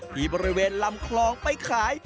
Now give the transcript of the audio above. ที่บริเวณลำคลองไปขาย